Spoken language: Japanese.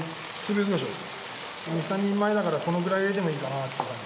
２３人前だからこのくらい入れてもいいかなって。